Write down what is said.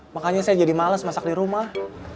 makanya saya jadi males masak di rumah